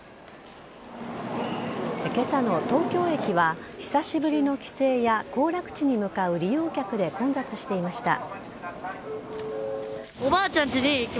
今朝の東京駅は久しぶりの帰省や行楽地に向かう利用客で混雑していました。